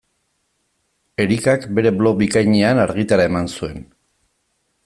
Erikak bere blog bikainean argitara eman zuen.